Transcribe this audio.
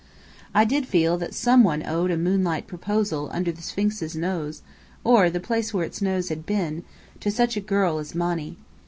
I did feel that some one owed a moonlight proposal under the Sphinx's nose (or the place where its nose had been) to such a girl as Monny.